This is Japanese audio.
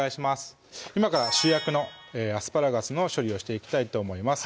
今から主役のアスパラガスの処理をしていきたいと思います